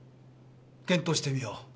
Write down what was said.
検討してみよう。